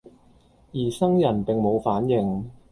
而生人並無反應，